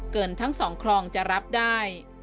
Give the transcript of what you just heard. ทั้งสองคลองจะรับได้